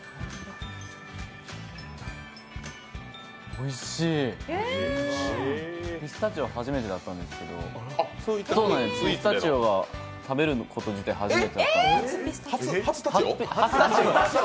おいしい、ピスタチオ初めてだったんですけど、ピスタチオが、食べること自体始めてだったんですけど。